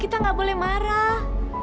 kita gak boleh marah